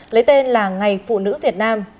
lấy tên là ngày phụ nữ việt nam